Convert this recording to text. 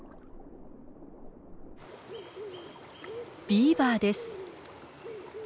ビーバーです。